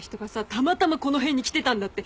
たまたまこの辺に来てたんだって。